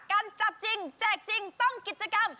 การจับจริงแจกจริงต้องกิจกรรม